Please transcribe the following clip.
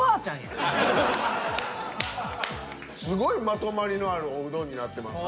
すごいまとまりのあるおうどんになってます。